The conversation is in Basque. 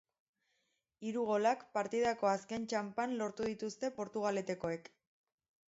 Hiru golak, partidako azken txanpan lortu dituzte portugaletekoek.